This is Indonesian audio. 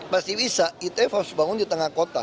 pasti bisa itf harus dibangun di tengah kota